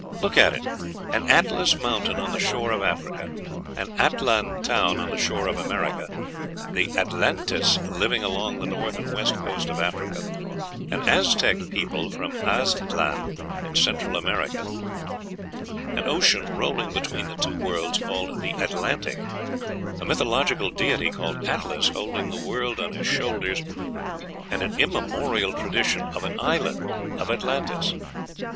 Look at it! An "Atlas" mountain on the shore of Africa; an "Atlan" town on the shore of America; the "Atlantes" living along the north and west coast of Africa; an Aztec people from Aztlan, in Central America; an ocean rolling between the two worlds called the "Atlantic;" a mythological deity called "Atlas" holding the world on his shoulders; and an immemorial tradition of an island of Atlantis.